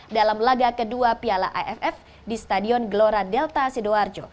dalam laga kedua piala aff di stadion gelora delta sidoarjo